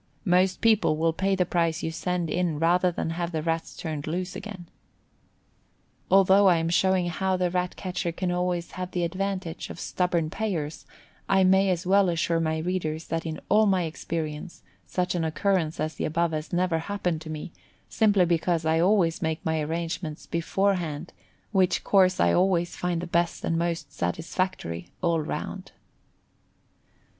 Most people will pay the price you send in rather than have the Rats turned loose again. Although I am showing how the Rat catcher can always have the advantage of stubborn payers, I may as well assure my readers that in all my experience such an occurrence as the above has never happened with me, simply because I always make my arrangements beforehand, which course I always find the best and most satisfactory all round.